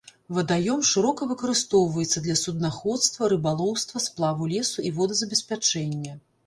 Вадаём шырока выкарыстоўваецца для суднаходства, рыбалоўства, сплаву лесу і водазабеспячэння.